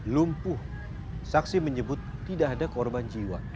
lumpuh saksi menyebut tidak ada korban jiwa